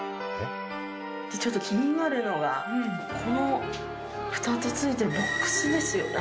ちょっと気になるのがこの２つ付いてるボックスですよ。